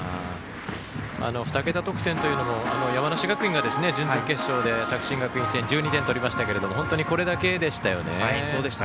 ２桁得点というのも山梨学院が準々決勝で作新学院戦１２点、取りましたけど本当にこれだけでしたよね。